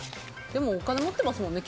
でもお金持ってますもんね